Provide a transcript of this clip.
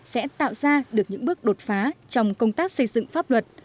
sẽ tạo ra được những bước đột phá trong công tác xây dựng pháp luật